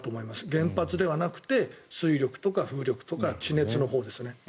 原発ではなくて水力とか風力とか地熱のほうですね。